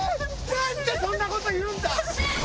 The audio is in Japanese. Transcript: なんでそんな事言うんだ。